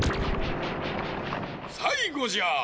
さいごじゃ！